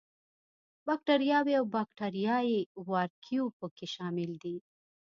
باکټریاوې او باکټریايي وارکیو په کې شامل دي.